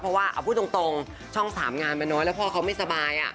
เพราะว่าเอาพูดตรงช่อง๓งานมันน้อยแล้วพ่อเขาไม่สบาย